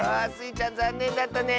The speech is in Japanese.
ちゃんざんねんだったね。